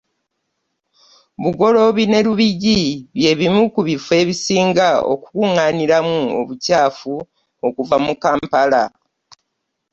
Bugoloobi ne Lubigi by'ebimu ku bifo ebisinga okukungaaniramu obucaafu okuva mu Kampala